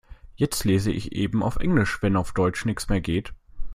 Jetzt lese ich eben auf Englisch, wenn auf Deutsch nichts mehr geht.